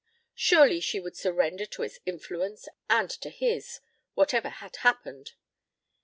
Surely she would surrender to its influence and to his whatever had happened.